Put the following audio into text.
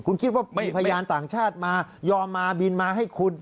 คุณคิดว่ามีพยานต่างชาติมายอมมาบินมาให้คุณ